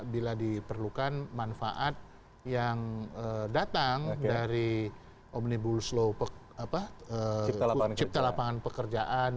bila diperlukan manfaat yang datang dari omnibus law cipta lapangan pekerjaan